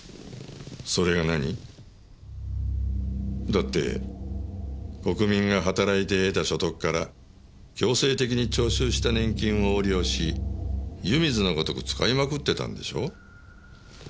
だって国民が働いて得た所得から強制的に徴収した年金を横領し湯水のごとく使いまくってたんでしょ？